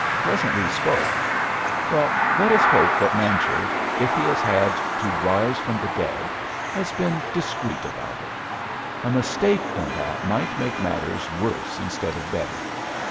Presently he spoke: "Well, let us hope that Mancher, if he has had to rise from the dead, has been discreet about it. A mistake in that might make matters worse instead of better."